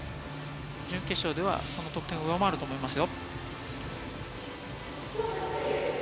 準決勝ではその得点を上回ると思いますよ。